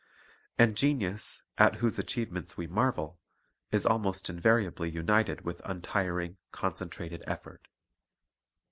And genius, at whose achievements we marvel, is almost invariably united with untiring, concentrated effort.